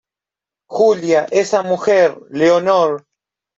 Julia, esa mujer , Leonor